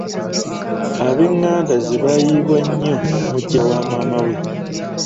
Ab'enganda ze baayiibwa nnyo muggya wamaama we.